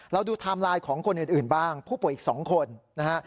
ดูไทม์ไลน์ของคนอื่นบ้างผู้ป่วยอีก๒คนนะฮะ